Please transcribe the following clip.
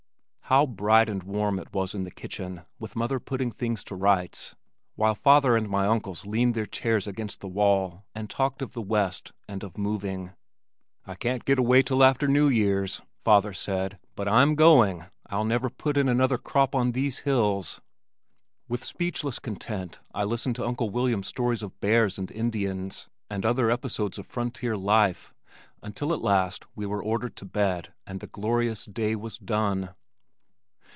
How bright and warm it was in the kitchen with mother putting things to rights while father and my uncles leaned their chairs against the wall and talked of the west and of moving. "I can't get away till after New Year's," father said. "But I'm going. I'll never put in another crop on these hills." With speechless content I listened to Uncle William's stories of bears and Indians, and other episodes of frontier life, until at last we were ordered to bed and the glorious day was done.